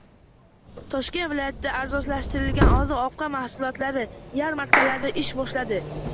Toshkent viloyatida arzonlashtirilgan oziq-ovqat mahsulotlari yarmarkalari ish boshladi